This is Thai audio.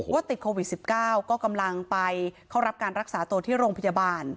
ว่าติดโควิด๑๙ก็กำลังไปเข้ารับการรักษาตัวที่โรงพยาบาล